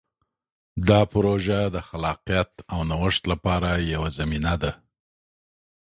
دا پروژه د خلاقیت او نوښت لپاره یوه زمینه ده.